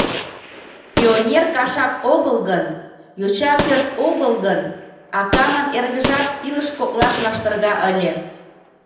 Пионер кашак огыл гын, йоча пӧрт огыл гын, акамын эргыжат илыш коклаш лаштырга ыле.